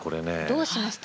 どうします？